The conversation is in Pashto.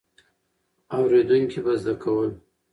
اورېدونکي به زده کول.